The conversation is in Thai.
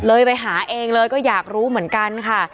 ไปหาเองเลยก็อยากรู้เหมือนกันค่ะ